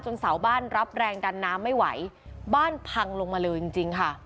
เสาบ้านรับแรงดันน้ำไม่ไหวบ้านพังลงมาเลยจริงจริงค่ะ